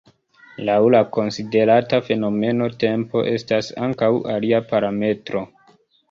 Laŭ la konsiderata fenomeno, tempo estas ankaŭ alia parametro.